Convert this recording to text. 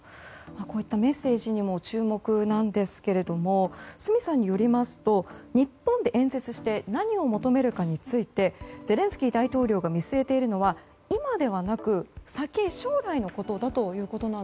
こういったメッセージにも注目なんですが角さんによりますと日本で演説して何を求めるかについてゼレンスキー大統領が見据えているのは今ではなく将来のことだと。